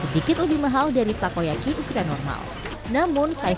dan dengan hal dari takoyaki ukuran normal namun friends